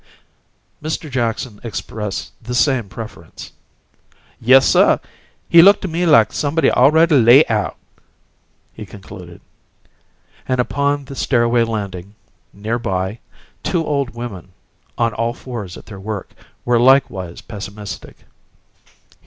Mr. Jackson expressed the same preference. "Yessuh, he look tuh me like somebody awready laid out," he concluded. And upon the stairway landing, near by, two old women, on all fours at their work, were likewise pessimistic.